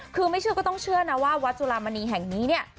คือไม่เชื่อก็ต้องเชื่อนะว่าวัดจุลามณีแห่งนี้เนี่ย